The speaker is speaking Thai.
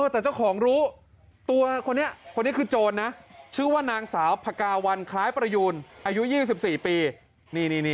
แต่เจ้าของรู้ตัวคนนี้คนนี้คือโจรนะชื่อว่านางสาวพกาวันคล้ายประยูนอายุ๒๔ปี